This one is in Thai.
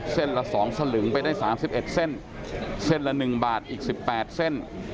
เส้นละสองสลึงไปได้สามสิบเอ็ดเส้นเส้นละหนึ่งบาทอีกสิบแปดเส้น